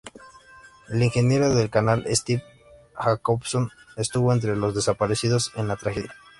El ingeniero del canal, Steve Jacobson, estuvo entre los desaparecidos en la tragedia.